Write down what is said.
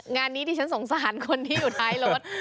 งานนี้ดิฉันสงสารคนที่อยู่ท้ายรถ